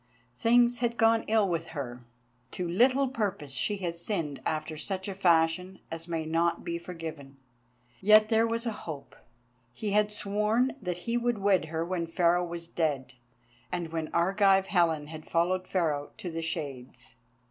Things had gone ill with her, to little purpose she had sinned after such a fashion as may not be forgiven. Yet there was hope. He had sworn that he would wed her when Pharaoh was dead, and when Argive Helen had followed Pharaoh to the Shades.